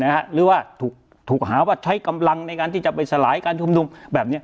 หรือว่าถูกหาว่าใช้กำลังในการที่จะไปสลายการชุมนุมแบบนี้